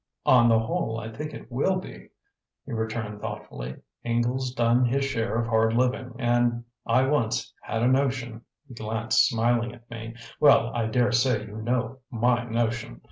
"On the whole, I think it will be," he returned thoughtfully. "Ingle's done his share of hard living, and I once had a notion" he glanced smiling at me "well, I dare say you know my notion.